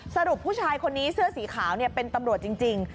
สรุปผู้ชายคนนี้เสื้อสีขาวเป็นตำรวจจริง